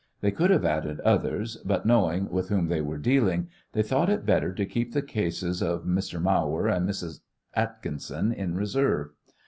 They could have added others, but, knowing with whom they were dealing, they thought it better to keep the cases of Mr. Mawer and Mrs. Atkinson in reserve.